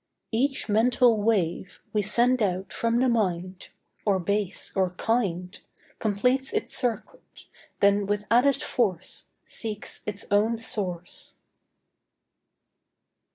Each mental wave we send out from the mind, Or base, or kind, Completes its circuit, then with added force Seeks its own source.